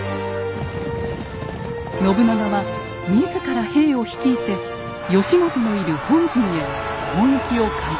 信長は自ら兵を率いて義元のいる本陣へ攻撃を開始。